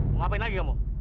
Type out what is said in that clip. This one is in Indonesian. mau ngapain lagi kamu